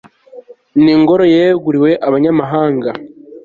n'ingoro yeguriwe abanyamahanga